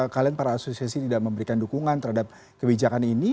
kalian para asosiasi tidak memberikan dukungan terhadap kebijakan ini